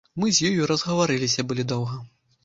Мы з ёю разгаварыліся былі доўга.